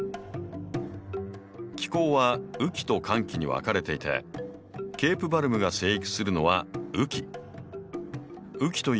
気候は雨季と乾季に分かれていてケープバルブが生育するのは雨季。